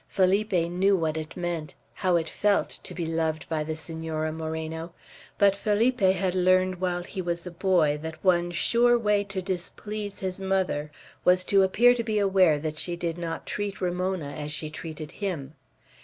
Felipe knew what it meant, how it felt, to be loved by the Senora Moreno. But Felipe had learned while he was a boy that one sure way to displease his mother was to appear to be aware that she did not treat Ramona as she treated him.